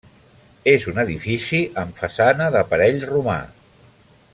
És un edifici amb façana d'aparell romà.